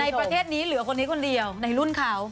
ประเทศนี้เหลือคนนี้คนเดียวในรุ่นเขา